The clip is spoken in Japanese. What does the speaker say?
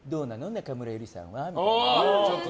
中村ゆりさんはみたいな。